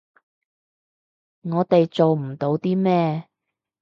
我哋做唔到啲咩